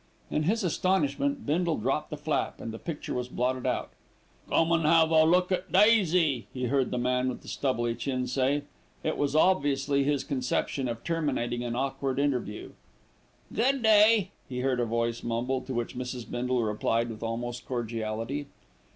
In his astonishment, Bindle dropped the flap, and the picture was blotted out. "Come an' 'ave a look at Daisy," he heard the man with the stubbly chin say. It was obviously his conception of terminating an awkward interview. "Good day," he heard a voice mumble, to which Mrs. Bindle replied with almost cordiality.